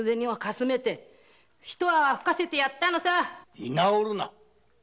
居直るな。